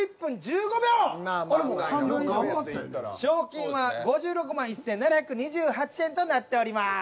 賞金は５６１，７２８円となっております。